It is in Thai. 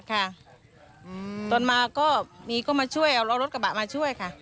ค่ะตอนมาก็มีก็มาช่วยเอารถกระบะมาช่วยค่ะ